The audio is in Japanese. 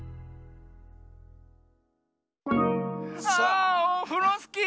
あオフロスキー！